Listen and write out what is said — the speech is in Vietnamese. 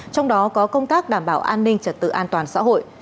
trong đó có công tác đảm bảo an ninh trật tự an toàn xã hội